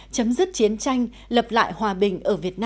chấm dứt chiến tranh lập lại hòa bình